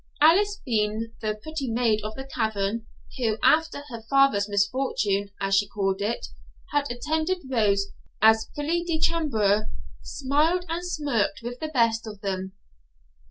Alice Bean, the pretty maid of the cavern, who, after her father's misfortune, as she called it, had attended Rose as fille de chambre, smiled and smirked with the best of them.